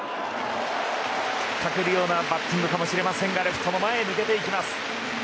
引っかけるようなバッティングかもしれませんがレフトの前へ抜けていった。